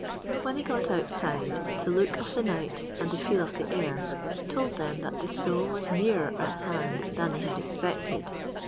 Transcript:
When they got outside, the look of the night and the feel of the air told them that the snow was nearer at hand than they had expected.